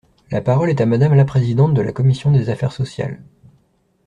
La parole est à Madame la Présidente de la commission des affaires sociales.